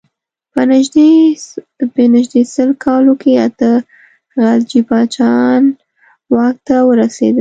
په نژدې سل کالو کې اته خلجي پاچاهان واک ته ورسېدل.